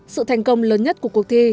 sự thành công lớn nhất của cuộc thi